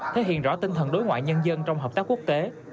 thể hiện rõ tinh thần đối ngoại nhân dân trong hợp tác quốc tế